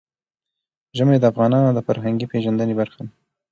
ژمی د افغانانو د فرهنګي پیژندنې برخه ده.